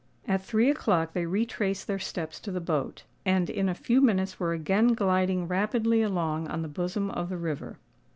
At three o'clock they retraced their steps to the boat; and in a few minutes were again gliding rapidly along on the bosom of the river.